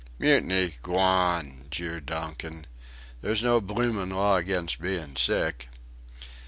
"Mutiny gawn!" jeered Donkin, "there's no bloomin' law against bein' sick."